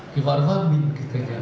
kibar baru kita nyarang